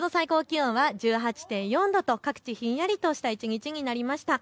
日中の最高気温は１８．４度とひんやりとした一日になりました。